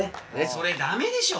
それ駄目でしょ！